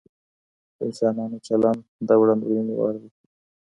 د انسانانو چلند د وړاندوينې وړ وي.